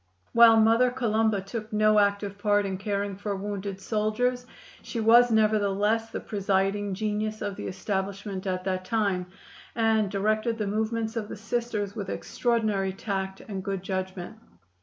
While Mother Columba took no active part in caring for wounded soldiers, she was nevertheless the presiding genius of the establishment at that time, and directed the movements of the Sisters with extraordinary tact and good judgment.